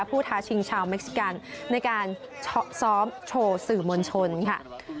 ท้าชิงชาวเม็กซิกันในการซ้อมโชว์สื่อมวลชนค่ะ